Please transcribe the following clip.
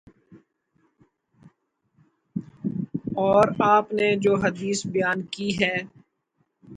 اور آپ نے جو حدیث بیان کی ہے